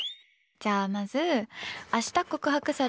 じゃあ、まず明日？